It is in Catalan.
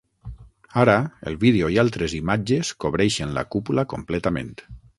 Ara el vídeo i altres imatges cobreixen la cúpula completament.